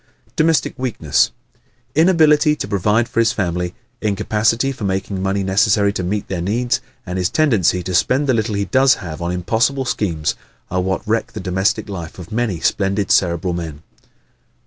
Domestic Weakness ¶ Inability to provide for his family, incapacity for making the money necessary to meet their needs, and his tendency to spend the little he does have on impossible schemes, are what wreck the domestic life of many splendid Cerebral men.